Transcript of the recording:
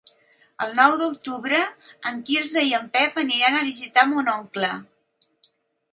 El nou d'octubre en Quirze i en Pep aniran a visitar mon oncle.